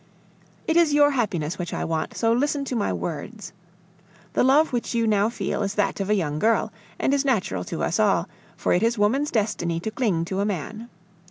"It is your happiness which I want, so listen to my words. The love which you now feel is that of a young girl, and is natural to us all, for it is woman's destiny to cling to a man.